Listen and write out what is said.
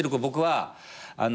僕は。